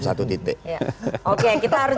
satu titik oke yang kita harus